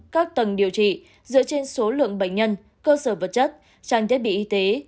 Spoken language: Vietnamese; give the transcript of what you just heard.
các tầng điều trị dựa trên số lượng bệnh nhân cơ sở vật chất trang thiết bị y tế